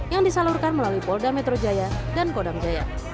yang disalurkan melalui polda metro jaya dan kodam jaya